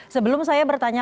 sebelum saya bertanya